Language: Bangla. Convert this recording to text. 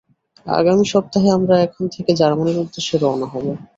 আগামী সপ্তাহে আমরা এখান থেকে জার্মানীর উদ্দেশ্যে রওনা হব।